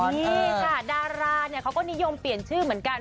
นี่ค่ะดาราเนี่ยเขาก็นิยมเปลี่ยนชื่อเหมือนกัน